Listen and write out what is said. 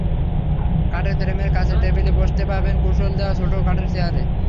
কাঠের ফ্রেমের কাচের টেবিলে বসতে পাবেন কুশন দেওয়া ছোট্ট কাঠের চেয়ারে।